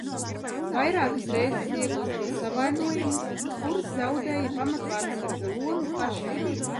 Vairākas reizes iegūstot savainojumus, Fūrs zaudēja komandas pamatvārtsarga lomu Hašekam.